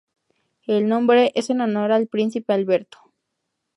El nombre es en honor al Príncipe Alberto.